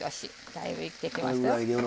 だいぶいってきましたよ。